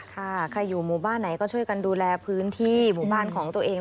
ใครอยู่หมู่บ้านไหนก็ช่วยกันดูแลพื้นที่หมู่บ้านของตัวเอง